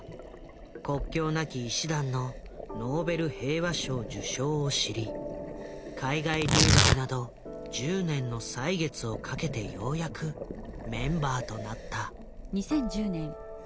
国境なき医師団のノーベル平和賞受賞を知り海外留学など１０年の歳月をかけてようやくメンバーとなった。